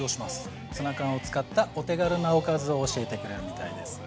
ツナ缶を使ったお手軽なおかずを教えてくれるみたいです。